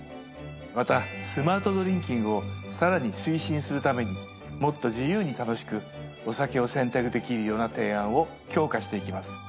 また「スマートドリンキング」をさらに推進するためにもっと自由に楽しくお酒を選択できるような提案を強化していきます。